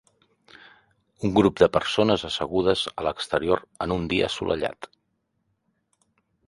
Un grup de persones assegudes a l'exterior en un dia assolellat.